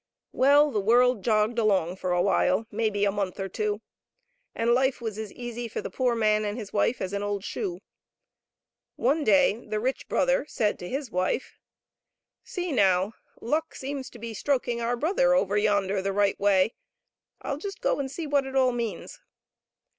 Well, the world jogged along for a while, maybe a month or two, and life was as easy for the poor man and his wife as an old shoe. One day the rich brother said to his wife. " See now. Luck seems to be stroking our brother over yonder the right way ; I'll just go and see what it all means."